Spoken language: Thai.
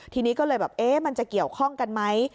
ทีนี้ก็เลยแบบเอ๊ะมันจะเกี่ยวข้องกันไหม